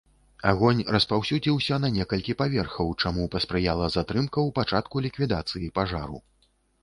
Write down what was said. Агонь распаўсюдзіўся на некалькі паверхаў, чаму паспрыяла затрымка ў пачатку ліквідацыі пажару.